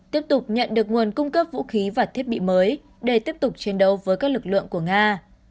tiếp tục nhận được nguồn cung cấp vũ khí và thiết bị mới để tiếp tục chiến đấu với các lực lượng của nga